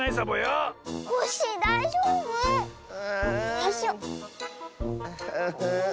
よいしょ。